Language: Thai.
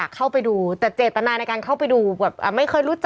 คนก็เข้าไปติดตามคนเข้าไปอะไรอย่างนี้